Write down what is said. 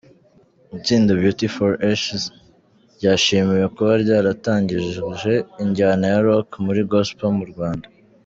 Itsinda Beauty For Ashes ryashimiwe kuba ryaratangije injyana ya Rock muri Gospel mu Rwanda.